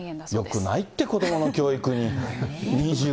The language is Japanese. よくないって、子どもの教育に。